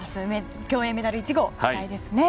競泳メダル１号期待ですね。